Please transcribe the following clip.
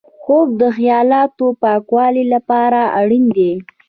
خوب د خیالاتو پاکولو لپاره اړین دی